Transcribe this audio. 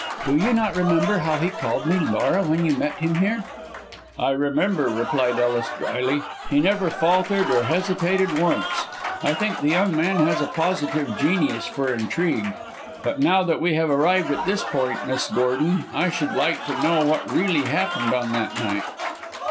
Do you not remember how he called me Laura when you met him here?" "I remember," replied Ellis, drily. "He never faltered or hesitated once. I think the young man has a positive genius for intrigue. But now that we have arrived at this point, Miss Gordon, I should like to know what really happened on that night."